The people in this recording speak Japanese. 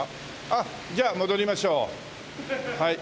あっじゃあ戻りましょう。